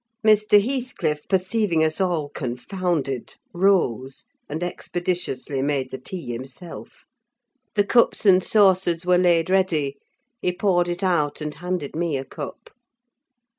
Mr. Heathcliff, perceiving us all confounded, rose, and expeditiously made the tea himself. The cups and saucers were laid ready. He poured it out, and handed me a cup.